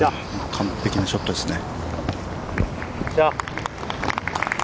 完璧なショットですね。